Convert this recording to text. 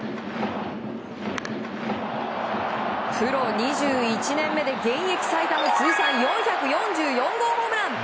プロ２１年目で現役最多の通算４４４号ホームラン。